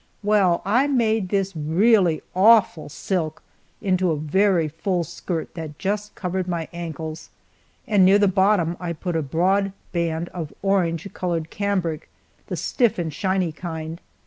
Well, I made this really awful silk into a very full skirt that just covered my ankles, and near the bottom I put a broad band of orange colored cambric the stiff and shiny kind.